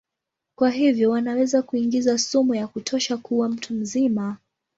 Kwa hivyo wanaweza kuingiza sumu ya kutosha kuua mtu mzima.